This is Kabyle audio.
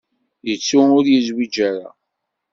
Yettu ur yezwiǧ ara.